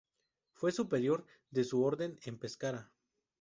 Fue superior de su Orden en Pescara.